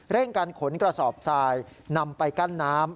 เร่งกันขนกระสอบสายนำไปกั้นน้ำ